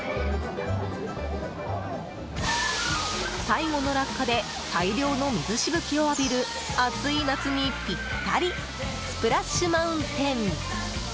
最後の落下で大量の水しぶきを浴びる暑い夏にぴったりスプラッシュ・マウンテン。